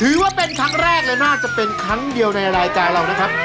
ถือว่าเป็นครั้งแรกเลยน่าจะเป็นครั้งเดียวในรายการเรานะครับ